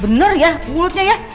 bener ya mulutnya ya